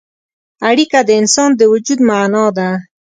اړیکه د انسان د وجود معنا ده.